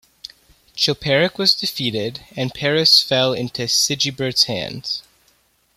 Chilperic was defeated, and Paris fell into Sigebert's hands.